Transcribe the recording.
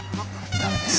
ダメです。